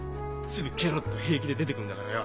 すぐケロッと平気で出てくんだからよ。